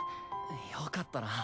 よかったな。